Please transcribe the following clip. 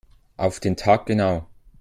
Auf den Tag genau.